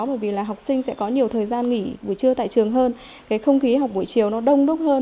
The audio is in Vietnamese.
bởi vì là học sinh sẽ có nhiều thời gian nghỉ buổi trưa tại trường hơn cái không khí học buổi chiều nó đông đúc hơn